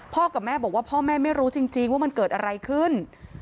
กับแม่บอกว่าพ่อแม่ไม่รู้จริงว่ามันเกิดอะไรขึ้น